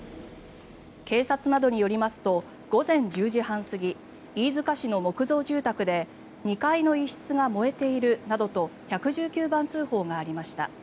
警察などによりますと午前１０時半過ぎ飯塚市の木造住宅で２階の一室が燃えているなどと１１９番通報がありました。